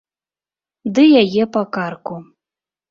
Ды яе па карку.